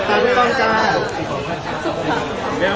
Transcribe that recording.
ก็ให้ทุกคนไทย